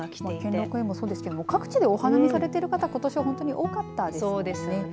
兼六園もそうですけど各地でお花見されてる方ことしは本当に多かったですね。